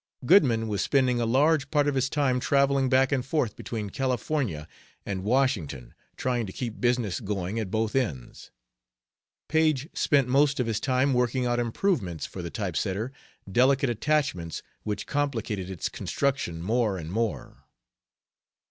Goodman was spending a large part of his time traveling back and forth between California and Washington, trying to keep business going at both ends. Paige spent most of his time working out improvements for the type setter, delicate attachments which complicated its construction more and more.